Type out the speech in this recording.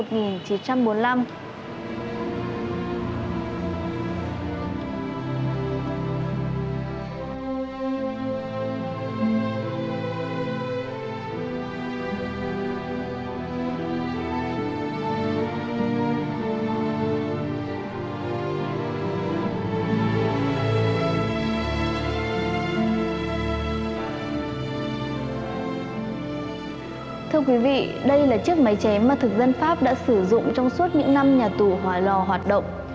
thưa quý vị đây là chiếc máy chém mà thực dân pháp đã sử dụng trong suốt những năm nhà tù hòa lò hoạt động